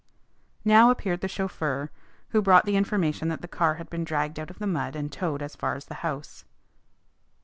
Now appeared the chauffeur, who brought the information that the car had been dragged out of the mud and towed as far as the house.